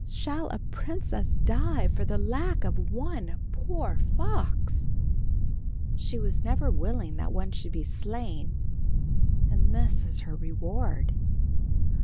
Shall a princess die for the lack of one poor fox? "She was never willing that one should be slain and this is her reward."